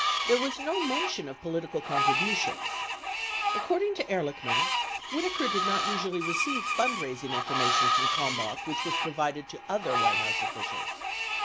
87 There was no mention of politi cal contributions. According to Ehrlichman, Whitaker did not usually receive fundraising information from Kalmbach which was provided to other White House officials.